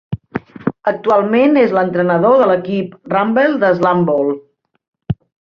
Actualment, és l'entrenador de l'equip Rumble de Slamball.